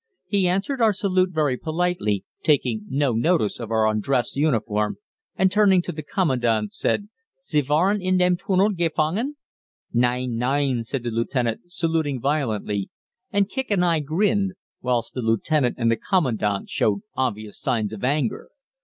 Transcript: He answered our salute very politely, taking no notice of our undress uniform, and turning to the Commandant, said, "Sie waren in dem Tunnel gefangen?" "Nein, nein," said the lieutenant, saluting violently, and Kicq and I grinned, whilst the lieutenant and the Commandant showed obvious signs of anger!